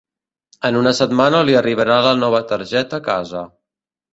En una setmana li arribarà la nova targeta a casa.